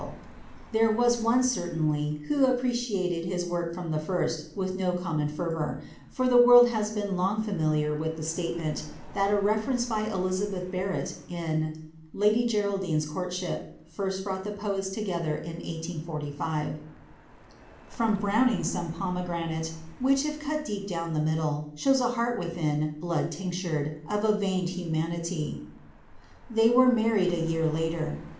One there was, certainly, who appreciated his work from the first with no common fervour, for the world has long been familiar with the statement that a reference by Elizabeth Barrett in "Lady Geraldine's Courtship" first brought the two poets together in 1845 "From Browning some 'Pomegranate' Which, if cut deep down the middle, Shows a heart within blood tinctured, Of a veined humanity." They were married a year later.